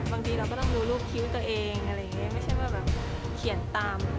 บางทีเราก็ต้องดูรูปคิ้วตัวเองไม่ใช่ว่าแบบเขียนตาม